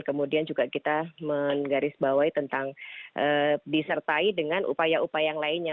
kemudian juga kita menggarisbawahi tentang disertai dengan upaya upaya yang lainnya